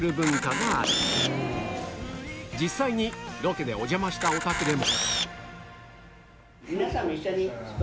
実際にロケでお邪魔したお宅でも